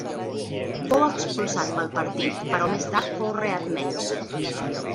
Fou expulsat pel partit, però més tard fou readmès.